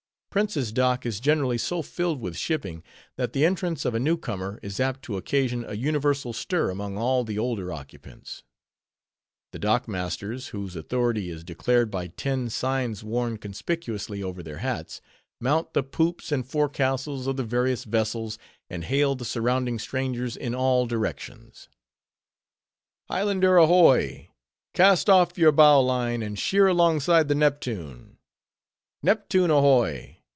Prince's Dock is generally so filled with shipping, that the entrance of a new comer is apt to occasion a universal stir among all the older occupants. The dock masters, whose authority is declared by tin signs worn conspicuously over their hats, mount the poops and forecastles of the various vessels, and hail the surrounding strangers in all directions:— _"Highlander ahoy! Cast off your bowline, and sheer alongside the Neptune!"—"Neptune ahoy!